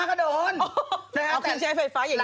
เครื่องซักผ้าก็โดน